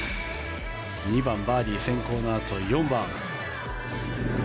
２番、バーディー先行のあと４番。